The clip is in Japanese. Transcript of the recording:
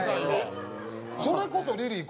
それこそリリー